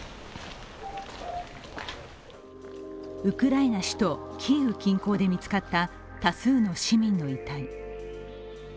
ウクライナ首都キーウ近郊で見つかった多数の市民の遺体。